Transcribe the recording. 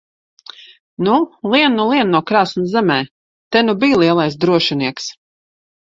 Nu, lien nu lien no krāsns zemē! Te nu bij lielais drošinieks!